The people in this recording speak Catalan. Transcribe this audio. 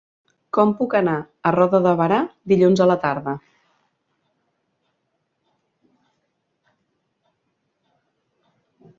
Com puc anar a Roda de Berà dilluns a la tarda?